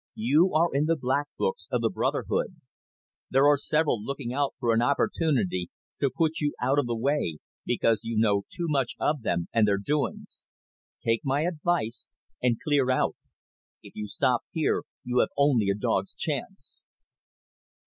You are in the black books of the brotherhood. There are several looking out for an opportunity to put you out of the way, because you know too much of them and their doings. Take my advice, and clear out. If you stop here, you have only a dog's chance."